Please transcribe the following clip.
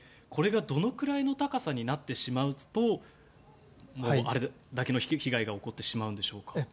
これがどのくらいの高さになってしまうとあれだけの被害が起こってしまうんでしょうか。